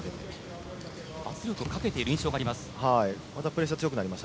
圧力をかけている印象があります。